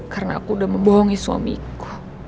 karena aku udah membohongi suamiku